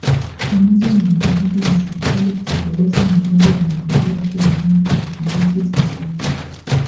Pamoja na juhudi za Serikali kutekeleza miradi ya maendeleo pia eneo la wakimbizi Tanzania